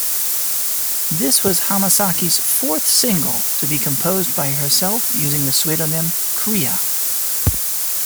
This was Hamasaki's fourth single to be composed by herself using the pseudonym "Crea".